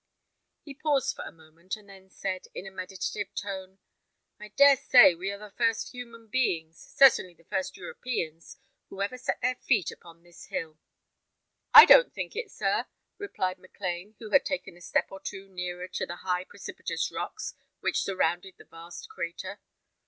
He paused for a moment, and then said, in a meditative tone, "I dare say we are the first human beings, certainly the first Europeans, who ever set their feet upon this hill." "I don't think it, sir," replied Maclean, who had taken a step or two nearer to the high precipitous rocks which surrounded the vast crater.